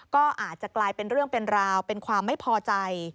ก็อาจจะกลายเป็นเรื่องเป็นราวเป็นความไม่พอใจ